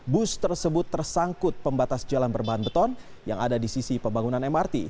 bus tersebut tersangkut pembatas jalan berbahan beton yang ada di sisi pembangunan mrt